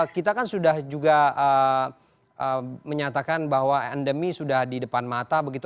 kita kan sudah juga menyatakan bahwa endemi sudah di depan mata begitu